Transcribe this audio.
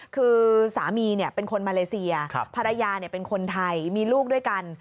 คือสามีเป็นคนมาเลเซียภรรยาเป็นคนไทยมีลูกด้วยกัน